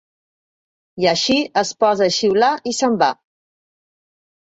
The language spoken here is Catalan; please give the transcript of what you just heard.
I així, es posa a xiular i se'n va.